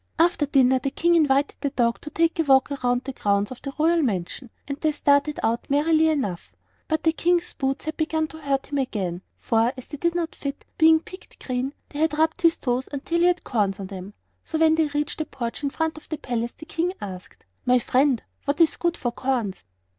After dinner the King invited the dog to take a walk around the grounds of the royal mansion, and they started out merrily enough. But the King's boots had begun to hurt him again; for, as they did not fit, being picked green, they had rubbed his toes until he had corns on them. So when they reached the porch in front of the palace the King asked: "My friend, what is good for corns?"